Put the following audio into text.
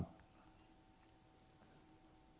ปัญหาก็คือว่ามีคนถามว่า